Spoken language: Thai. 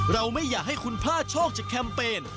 เราไม่อยากให้คุณพลาดโชคจากแคมเปญ